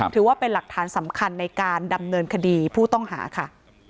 ถือว่าเป็นหลักฐานสำคัญในการดำเนินคดีผู้ต้องหาค่ะ